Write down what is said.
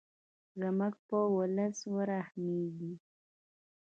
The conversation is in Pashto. زموږ په ولس ورحمیږې.